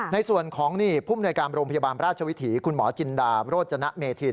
ในส่วนของนี่ภูมิหน่วยการโรงพยาบาลราชวิถีคุณหมอจินดาโรจนะเมธิน